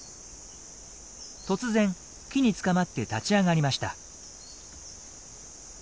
突然木につかまって立ち上がりました。